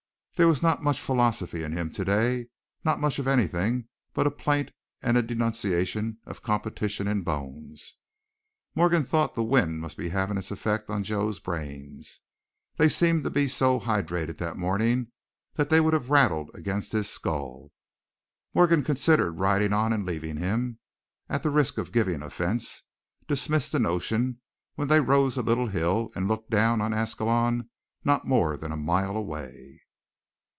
There was not much philosophy in him today, not much of anything but a plaint and a denunciation of competition in bones. Morgan thought the wind must be having its effect on Joe's brains; they seemed to be so hydrated that morning they would have rattled against his skull. Morgan considered riding on and leaving him, at the risk of giving offense, dismissing the notion when they rose a hill and looked down on Ascalon not more than a mile away.